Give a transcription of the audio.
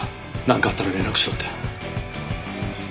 何かあったら連絡しろって。